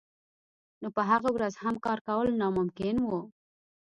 نو په هغه ورځ هم کار کول ناممکن وو